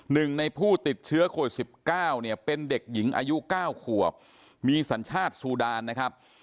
หนึ่งในผู้ติดเชื้อโควิด๑๙เนี่ยเป็นเด็กหญิงอายุ๙ขวบมีสัญชาติซูดานนะครับ